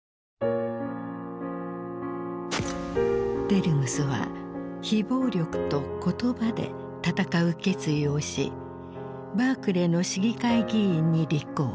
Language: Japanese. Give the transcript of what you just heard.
デルムスは非暴力と言葉で闘う決意をしバークレーの市議会議員に立候補。